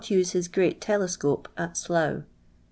use his great telescope at Slough.